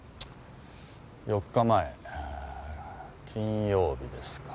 ４日前金曜日ですか。